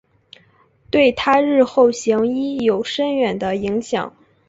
对她日后行医有深远的影响。